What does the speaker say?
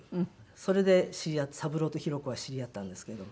それで知り合って三朗と廣子は知り合ったんですけど。